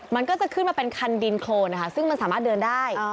มันก็จะขึ้นมาเป็นคันดินโครนนะคะซึ่งมันสามารถเดินได้